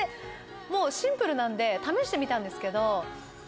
シンプルなんで試してみたんですけど。